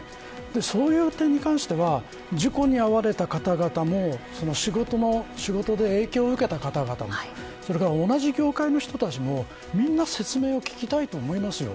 そういう点に関しては事故に遭われた方々も仕事で影響を受けた方々も同じ業界の方たちもみんな説明を聞きたいと思います。